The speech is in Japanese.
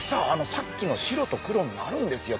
さっきの白と黒になるんですよ